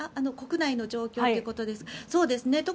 国内の状況ということですね。